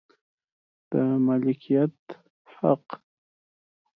د مالکیت حق